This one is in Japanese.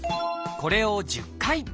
これを１０回。